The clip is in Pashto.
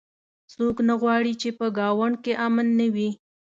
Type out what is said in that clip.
څوک نه غواړي چې په ګاونډ کې امن نه وي